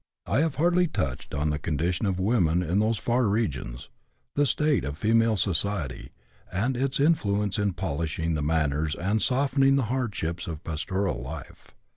I have hardly touched on the condition of women in those far regions, the state of female society, and its influence in polishing the manners and softening the hardships of a pastoral life.